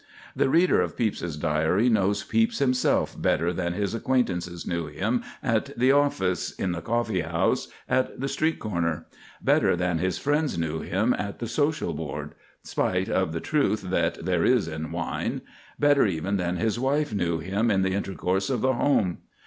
The reader of Pepys's Diary knows Pepys himself better than his acquaintances knew him at the office, in the coffee house, at the street corner; better than his friends knew him at the social board, spite of the truth that there is in wine; better even than his wife knew him in the intercourse of the home.